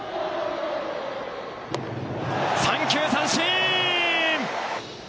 三球三振！